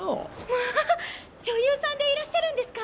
まあ女優さんでいらっしゃるんですか？